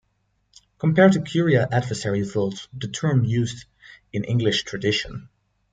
Compare to curia advisari vult, the term used in the English tradition.